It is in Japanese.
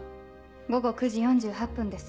午後９時４８分です。